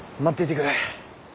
待っていてくれ。